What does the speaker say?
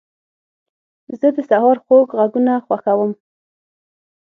زه د سهار خوږ غږونه خوښوم.